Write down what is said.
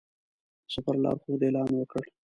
د سفر لارښود اعلان وکړ.